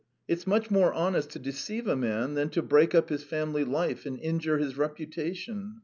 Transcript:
It's much more honest to deceive a man than to break up his family life and injure his reputation.